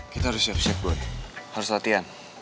kita harus siap siap buat harus latihan